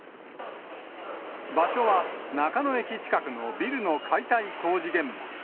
場所は、中野駅近くのビルの解体工事現場。